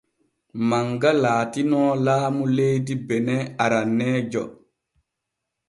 Manga laatino laamu leydi benin aranneejo.